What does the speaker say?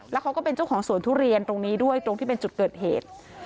แล้วเขาก็เป็นเจ้าของสวนทุเรียนตรงนี้ด้วยตรงที่เป็นจุดเกิดเหตุ